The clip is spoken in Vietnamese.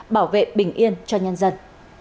bảo vệ bình yên cho nhân dân